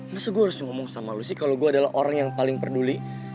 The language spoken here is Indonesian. masa gue harus ngomong sama lu sih kalo gue adalah orang yang paling peduli